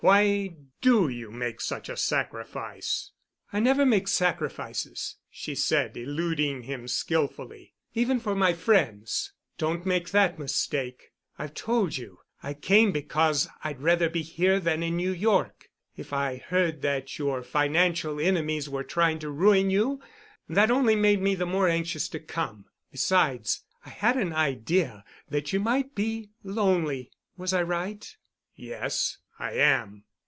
"Why do you make such a sacrifice?" "I never make sacrifices," she said, eluding him skillfully, "even for my friends. Don't make that mistake. I've told you I came because I'd rather be here than in New York. If I heard that your financial enemies were trying to ruin you, that only made me the more anxious to come. Besides, I had an idea that you might be lonely. Was I right?" "Yes—I am."